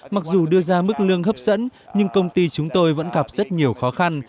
mặc dù đưa ra mức lương hấp dẫn nhưng công ty chúng tôi vẫn gặp rất nhiều khó khăn